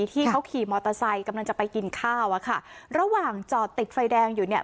ที่เขาขี่มอเตอร์ไซค์กำลังจะไปกินข้าวอ่ะค่ะระหว่างจอดติดไฟแดงอยู่เนี่ย